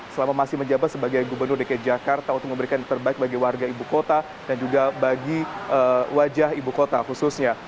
selama masih menjabat sebagai gubernur dki jakarta untuk memberikan yang terbaik bagi warga ibu kota dan juga bagi wajah ibu kota khususnya